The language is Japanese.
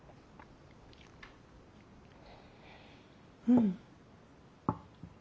うん。